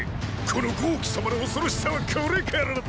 この豪紀様の恐ろしさはこれからだ！